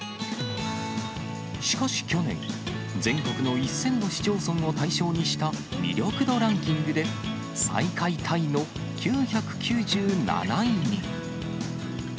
しかし去年、全国の１０００の市町村を対象にした魅力度ランキングで最下位タイの９９７位に。